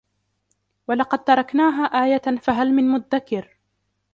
ولقد تركناها آية فهل من مدكر